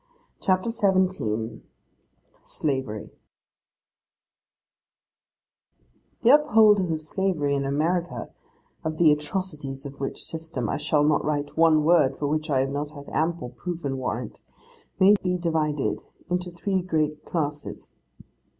CHAPTER XVII SLAVERY THE upholders of slavery in America—of the atrocities of which system, I shall not write one word for which I have not had ample proof and warrant—may be divided into three great classes.